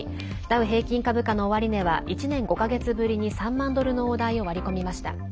ダウ平均株価の終値は１年５か月ぶりに３万ドルの大台を割り込みました。